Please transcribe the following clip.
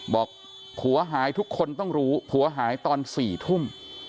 บอกผัวหายทุกคนต้องรู้ผัวหายตอน๔ทุ่ม